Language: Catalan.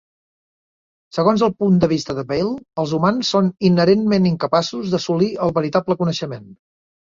Segons el punt de vista de Bayle, els humans són inherentment incapaços d'assolir el veritable coneixement.